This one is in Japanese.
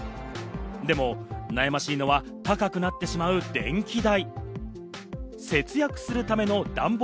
でも、悩ましいのは高くなってしまう電気代。